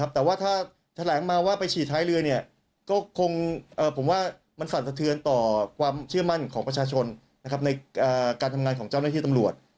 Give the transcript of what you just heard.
แต่ว่าถ้าแถลงมาว่าไปฉีดท้ายเรือก็คงผมว่ามันสั่นสะเทือนต่อความเชื่อมั่นของประชาชนในการทำงานของเจ้าหน้าที่ตำรวจ